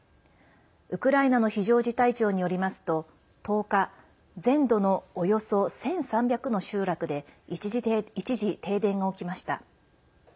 ウクライナの非常事態庁によりますと１０日、全土のおよそ１３００の集落で一時停電が起きました。